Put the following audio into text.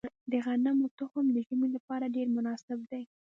د غنمو تخم د ژمي لپاره ډیر مناسب دی.